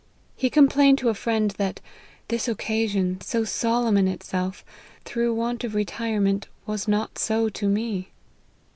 He complained to a friend that " this occasion, so solemn in itself, through want of retirement, was not so to me."